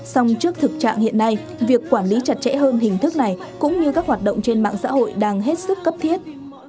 xong trước thực trạng hiện nay việc quản lý chặt chẽ hơn hình thức này cũng như các hoạt động trên mạng xã hội đang hết sức cấp thiết